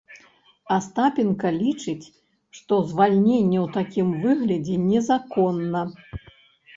Астапенка лічыць, што звальненне ў такім выглядзе незаконна.